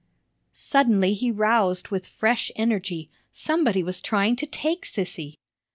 Suddenly he roused with fresh energy. Somebody was trying to take Sissy.